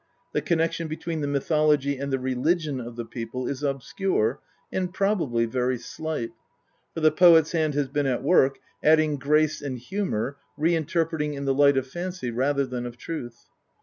The connection between the mythology and the religion of the people is obscure, and probably very slight ; for the poet's hand has been at work, adding grace and humour, reinterpreting in the light of fancy rather than of truth.